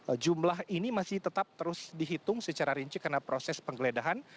nah jumlah ini masih tetap terus dihitung secara rinci karena proses penggeledahan